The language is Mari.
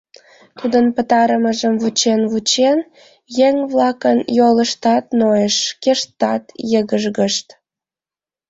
Тудын пытарымыжым вучен-вучен, еҥ-влакын йолыштат нойыш, шкештат йыгыжгышт.